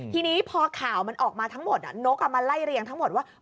ทีนี้พอข่าวมันออกมาทั้งหมดนกมาไล่เรียงทั้งหมดว่า